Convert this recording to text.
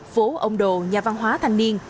phố ông đồ nhà văn hóa thanh niên